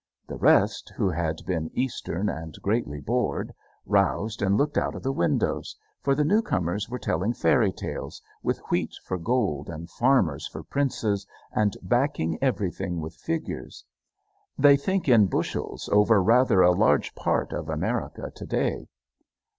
The rest, who had been Eastern and greatly bored, roused and looked out of the windows. For the newcomers were telling fairy tales, with wheat for gold and farmers for princes, and backing everything with figures. They think in bushels over rather a large part of America to day.